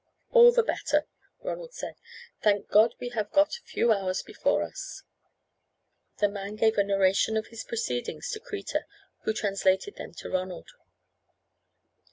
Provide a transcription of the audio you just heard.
"All the better," Ronald said. "Thank God we have got a few hours before us." The man gave a narration of his proceedings to Kreta, who translated them to Ronald.